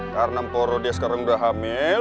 karena emporo dia sekarang udah hamil